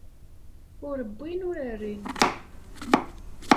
Ur wwin ur rrin.